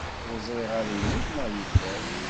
Ur ẓriɣ yemmut neɣ yedder.